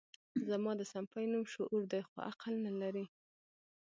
زما ده صنفي نوم شعور دی خو عقل نه لري